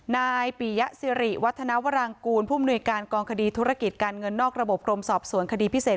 นายปิยะสิริวัฒนาวรังกูลผู้มนุยการกองคดีธุรกิจการเงินนอกระบบกรมสอบสวนคดีพิเศษ